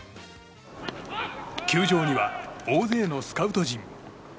球場には、大勢のスカウト陣。